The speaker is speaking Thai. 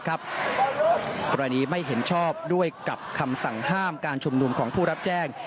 กรณีไม่เห็นชอบด้วยกับคำสั่งห้ามการชุมนุมของผู้รับแจ้ง